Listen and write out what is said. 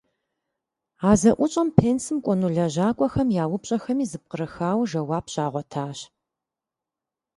А зэӏущӏэм пенсым кӏуэну лэжьакӏуэхэм я упщӀэхэми зэпкърыхауэ жэуап щагъуэтащ.